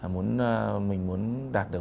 mình muốn đạt được